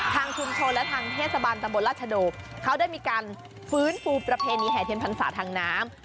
ทางชุมชนและทางเทศบาลตะบนราชโดเขาได้มีการฟื้นฟูประเพณีแห่เทียนพรรษาทางน้ำ